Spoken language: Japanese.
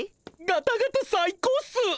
ガタガタ最高っす！